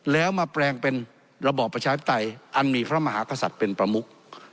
แล้วมาแปลงเป็นระบอบประชาธิปไตยอันมีพระมหากษัตริย์เป็นประมุก